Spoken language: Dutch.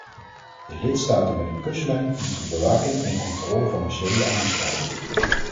De lidstaten met een kustlijn moeten de bewaking en controle van hun zeeën aanscherpen.